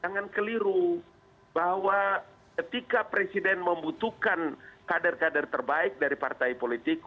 jangan keliru bahwa ketika presiden membutuhkan kader kader terbaik dari partai politik